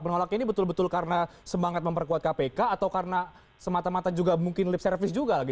menolak ini betul betul karena semangat memperkuat kpk atau karena semata mata juga mungkin lip service juga